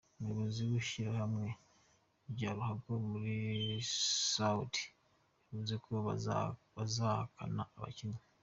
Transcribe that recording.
Umuyobozi w’ishyirahamwe rya ruhago muri Saudi yavuze ko bazahana abakinnyi.